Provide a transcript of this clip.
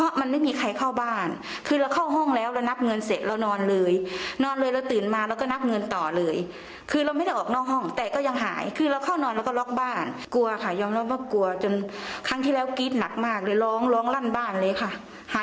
อ่ะฟังเสียงเขาหน่อยครับค่ะ